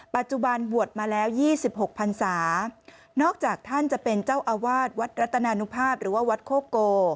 ปัจจุบันบวชมาแล้ว๒๖พันศานอกจากท่านจะเป็นเจ้าอาวาสวัดรัตนานุภาพหรือว่าวัดโคโก